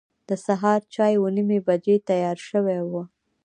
د سهار چای اوه نیمې بجې تیار شوی و.